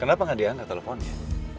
kenapa gak dianggap telfonnya